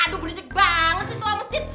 aduh berisik banget sih tua masjid